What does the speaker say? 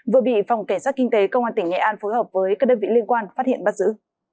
vừa bị phòng cảnh sát kinh tế công an tỉnh nghệ an phối hợp với các đơn vị liên quan phát hiện bắt giữ